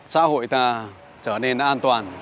xã hội ta trở nên an toàn